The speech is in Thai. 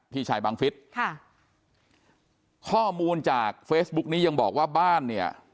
พี่ชายบังฟิศค่ะข้อมูลจากเฟซบุ๊กนี้ยังบอกว่าบ้านเนี่ย